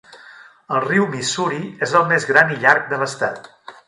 El riu Missouri és el més gran i llarg de l'estat.